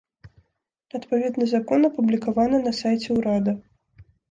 Адпаведны закон апублікаваны на сайце ўрада.